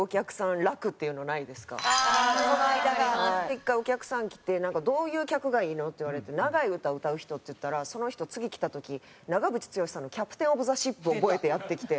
１回お客さん来て「どういう客がいいの？」って言われて「長い歌歌う人」って言ったらその人次来た時長渕剛さんの『ＣａｐｔａｉｎｏｆｔｈｅＳｈｉｐ』を覚えてやって来て。